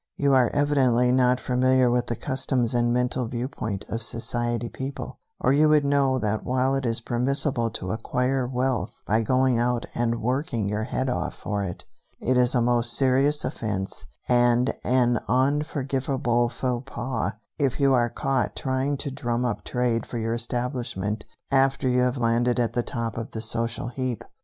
You are evidently not familiar with the customs and mental viewpoint of society people, or you would know that while it is permissible to acquire wealth by going out and working your head off for it, it is a most serious offense and an unforgivable faux pas if you are caught trying to drum up trade for your establishment after you have landed at the top of the social heap.